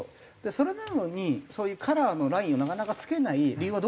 それなのにそういうカラーのラインをなかなか付けない理由はどこにあるんですか？